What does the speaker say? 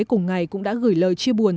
cùng ngày cũng đã gửi lời chia buồn